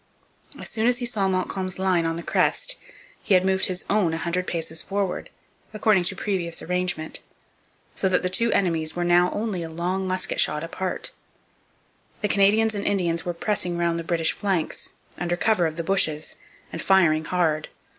As soon as he saw Montcalm's line on the crest he had moved his own a hundred paces forward, according to previous arrangement; so that the two enemies were now only a long musket shot apart. The Canadians and Indians were pressing round the British flanks, under cover of the bushes, and firing hard.